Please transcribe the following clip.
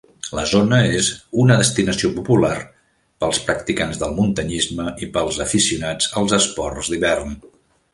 La zona és una destinació popular pels practicants del muntanyisme i pels aficionats als esports d'hivern.